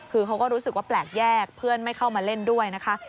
คือเขาก็รู้สึกว่าแปลกแยกเพื่อนไม่เข้ามาเล่นด้วยนะคะ